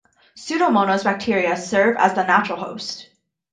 Pseudomonas bacteria serve as the natural host.